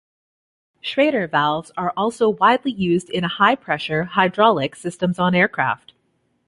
Schrader valves are also widely used in high-pressure hydraulic systems on aircraft.